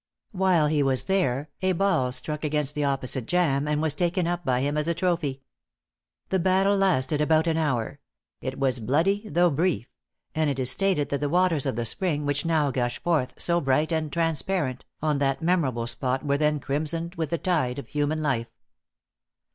While he was there, a ball struck against the opposite jam, and was taken up by him as a trophy. The battle lasted about an hour; it was bloody, though brief; and it is stated that the waters of the spring, which now gush forth so bright and transparent, on that memorable spot, were then crimsoned with the tide of human life.